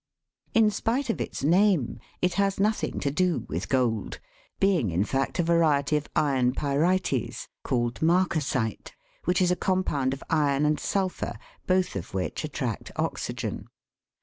In spite of its name, it has nothing to do with gold, being in fact a variety of iron pyrites, called marcasite, which is a compound of iron and sulphur, both of which attract oxygen.